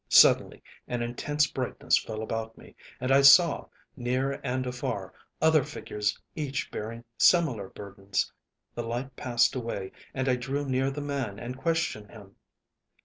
"Suddenly an intense brightness fell about me and I saw, near and afar, other figures each bearing similar burdens. The light passed away, and I drew near the man and questioned him.